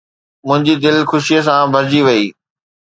منهنجي دل خوشيءَ سان ڀرجي وئي